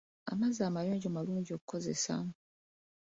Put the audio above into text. Amazzi amayonjo malungi okukozesa.